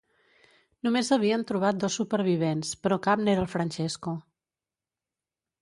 Només havien trobat dos supervivents, però cap n'era el Francesco.